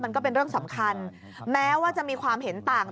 มันก็เป็นเรื่องสำคัญแม้ว่าจะมีความเห็นต่าง